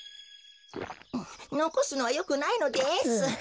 のこすのはよくないのです。